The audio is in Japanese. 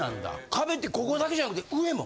壁ってここだけじゃなくて上も？